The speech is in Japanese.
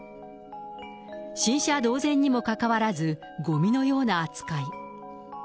新車同然にもかかわらず、ごみのような扱い。